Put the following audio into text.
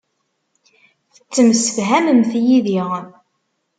Tettemsefhamemt yid-i.